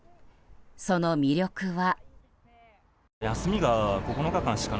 その魅力は。